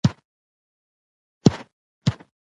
زما په فکر زموږ د جګړو همدا حال و.